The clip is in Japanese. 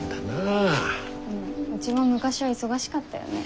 うちも昔は忙しかったよね。